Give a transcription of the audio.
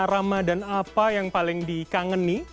ramadhan apa yang paling dikangeni